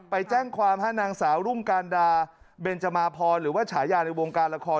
ไปแจ้งความนางสาวรุ่งการดาเบนจมาพรหรือว่าฉายาในวงการละคร